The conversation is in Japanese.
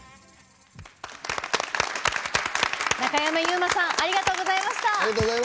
馬さんありがとうございました。